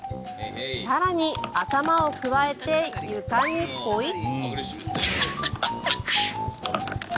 更に、頭をくわえて床にポイッ。